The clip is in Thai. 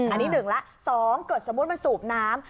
อันนี้๑ละ๒เกิดสมมุติมันสูบน้ำ